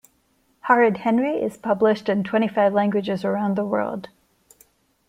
Horrid Henry is published in twenty five languages around the world.